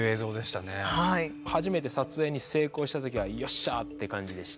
初めて撮影に成功した時は「よっしゃ！」って感じでした。